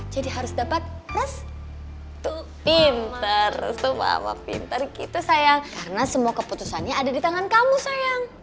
jadi harus dapat restu pintar restu mama pintar gitu sayang karena semua keputusannya ada di tangan kamu sayang